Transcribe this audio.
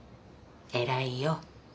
偉いよ。